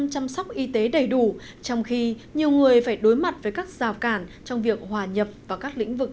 chăm sóc y tế đầy đủ trong khi nhiều người phải đối mặt với các rào cản trong việc hòa nhập vào các lĩnh vực